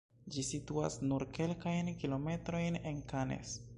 Ĝi situas nur kelkajn kilometrojn el Cannes.